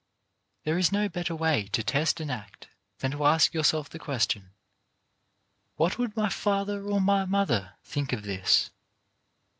There is no better way to test an act than to ask yourself the question: "What would my father or my mother think of this?